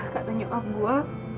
katanya bokap gue